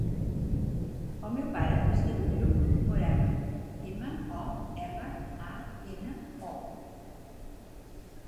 El meu pare es diu Lluc Morano: ema, o, erra, a, ena, o.